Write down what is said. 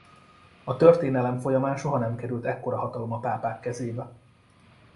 A történelem folyamán soha nem került ekkora hatalom a pápák kezébe.